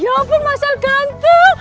ya ampun masal gantung